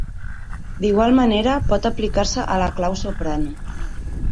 D’igual manera, pot aplicar-se a la clau soprano.